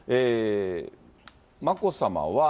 眞子さまは。